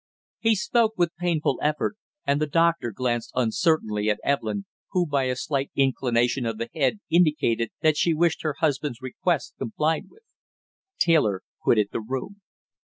He spoke with painful effort, and the doctor glanced uncertainly at Evelyn, who by a slight inclination of the head indicated that she wished her husband's request complied with. Taylor quitted the room.